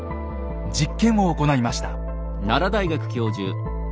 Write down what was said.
実験を行いました。